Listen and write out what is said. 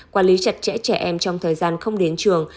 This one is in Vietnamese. quản lý chặt chẽ trẻ em trong thời gian không đến trường